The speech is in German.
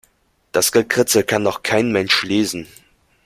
Das Gekritzel kann doch kein Mensch lesen.